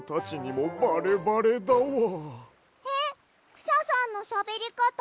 クシャさんのしゃべりかた